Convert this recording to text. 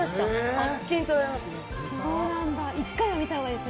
あっけにとられますね。